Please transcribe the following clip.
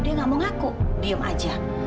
dia gak mau ngaku diem aja